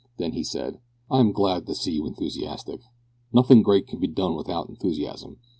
Then he said: "I am glad to see you enthusiastic. Nothing great can be done without enthusiasm.